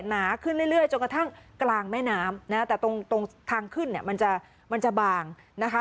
หนาขึ้นเรื่อยจนกระทั่งกลางแม่น้ำนะฮะแต่ตรงตรงทางขึ้นเนี่ยมันจะมันจะบางนะคะ